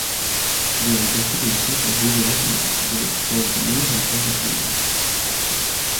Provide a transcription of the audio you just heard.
Durante estos meses las víboras de cascabel fueron comunes en todos los hábitats.